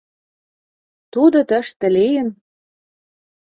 — Тудо тыште лийын?